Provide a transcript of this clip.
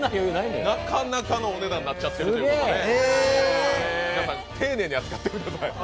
なかなかのお値段になっちゃってるということで、皆さん丁寧に扱ってください。